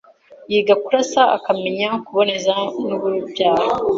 Yiga kurasa, akamenya kuboneza nurubyaro